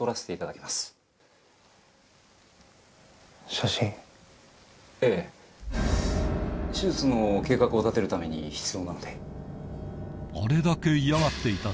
ここでええ手術の計画を立てるために必要なので。